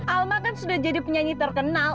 alma kan sudah jadi penyanyi terkenal